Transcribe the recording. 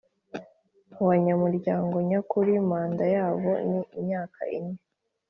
mu banyamuryango nyakuri Manda yabo ni imyaka ine